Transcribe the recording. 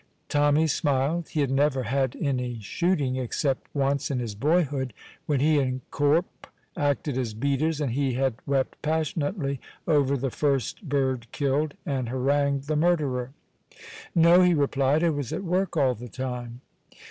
Tommy smiled. He had never "had any shooting" except once in his boyhood, when he and Corp acted as beaters, and he had wept passionately over the first bird killed, and harangued the murderer. "No," he replied; "I was at work all the time."